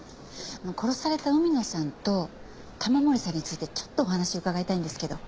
殺された海野さんと玉森さんについてちょっとお話伺いたいんですけど。